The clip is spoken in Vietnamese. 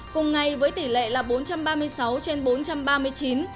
cùng ngày với tỷ lệ là bốn trăm ba mươi sáu trên bốn trăm ba mươi chín